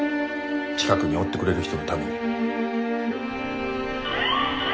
近くにおってくれる人のために。